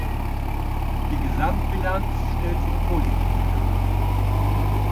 Die Gesamtbilanz stellt sich positiv dar.